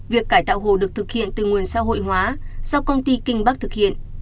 việc cải tạo hồ được thực hiện từ nguồn xã hội hóa do công ty kinh bắc thực hiện